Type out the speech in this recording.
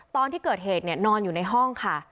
ตอนที่เกิดเหตุนอนอยู่ในห้องค่ะ